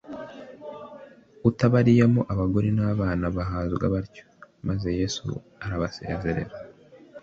utabariyemo abagore n'abana bahazwa batyo, maze Yesu arabasezerera,